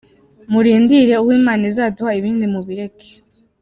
Murindire uwo Imana izaduha ibindi mubireke.